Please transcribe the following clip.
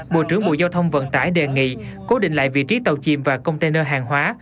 bộ trưởng bộ giao thông vận tải đề nghị cố định lại vị trí tàu chìm và container hàng hóa